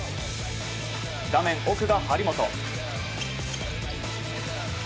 画面奥が張本。